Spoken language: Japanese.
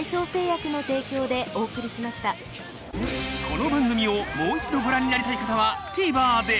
この番組をもう一度ご覧になりたい方はＴＶｅｒで